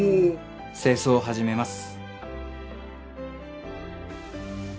清掃始めます。